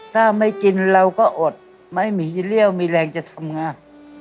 ถ้าไม่กินเราก็อดไม่มีเรี่ยวมีแรงจะทำงาน